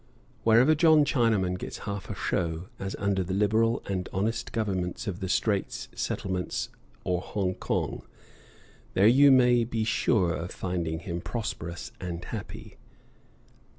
"Wherever John Chinaman gets half a show, as under the liberal and honest government of the Straits Settlements or Hong Kong, there you may be sure of finding him prosperous and happy."